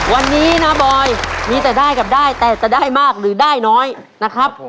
วันนี้นะบอยมีแต่ได้กับได้แต่จะได้มากหรือได้น้อยนะครับ